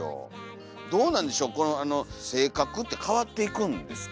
どうなんでしょうこの性格って変わっていくんですかねえ。